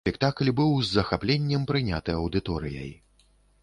Спектакль быў з захапленнем прыняты аўдыторыяй.